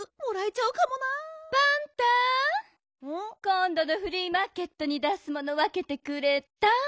こんどのフリーマーケットに出すものわけてくれた？